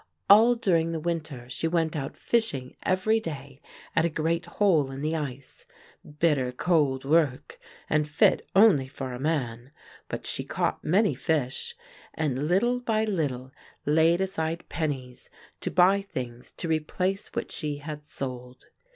All during the winter she went out fishing every day at a great hole in the ice — bitter cold work, and fit only for a man ; but she caught many fish, and little by little laid aside pennies to buy things to replace v/hat she had sold.